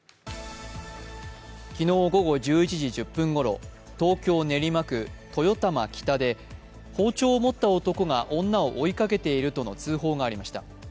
昨日午後１１時１０分ごろ、東京・練馬区豊玉北で包丁を持った男が女を追いかけているとの通報がありました。